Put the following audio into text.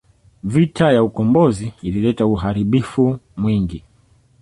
Vita ya ukombozi ilileta uharibifu mwingi.